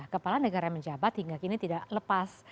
kepala negara yang menjabat hingga kini tidak lepas